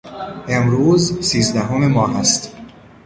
امروز سیزدهم ماه است.